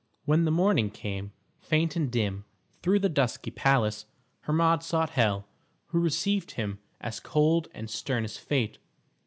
When the morning came, faint and dim, through the dusky palace, Hermod sought Hel, who received him as cold and stern as fate.